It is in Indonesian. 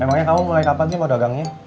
emangnya kamu mulai kapan sih mau dagangnya